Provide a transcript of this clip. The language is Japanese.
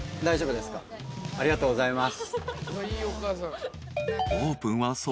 ありがとうございます。